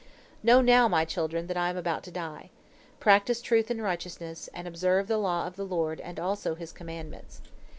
"Know now, my children, that I am about to die. Practice truth and righteousness, and observe the law of the Lord and also His commandments.